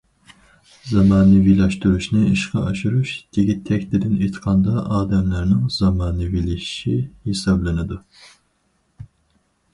زامانىۋىلاشتۇرۇشنى ئىشقا ئاشۇرۇش تېگى- تەكتىدىن ئېيتقاندا، ئادەملەرنىڭ زامانىۋىلىشىشى ھېسابلىنىدۇ.